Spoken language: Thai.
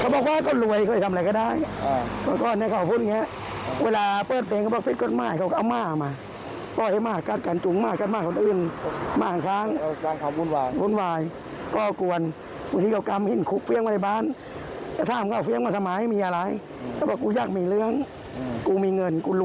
ผมเอาแฟงมาในบ้าน